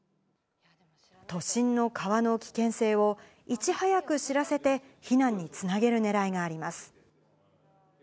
都心の川の危険性をいち早く知らせて、避難につなげるねらいがあります。